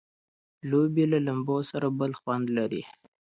لوبي له لمبو سره بل خوند لري.